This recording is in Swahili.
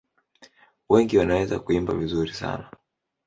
Wengi wanaweza kuimba vizuri sana.